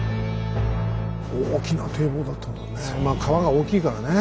大きな堤防だったんだねえ。